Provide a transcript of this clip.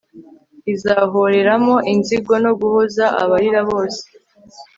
izahoreramo inzigo no guhoza abarira bose